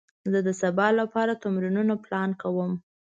زه د سبا لپاره تمرینونه پلان کوم.